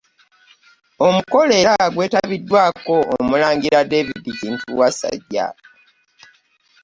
Omukolo era gwetabiddwako omulangira David Kintu Wasajja